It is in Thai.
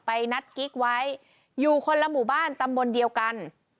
นัดกิ๊กไว้อยู่คนละหมู่บ้านตำบลเดียวกัน